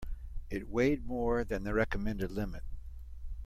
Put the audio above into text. It weighed more than the recommended limit.